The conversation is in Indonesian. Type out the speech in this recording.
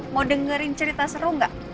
mau dengerin cerita seru gak